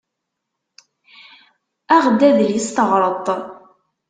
Aɣ-d adlis teɣreḍ-t.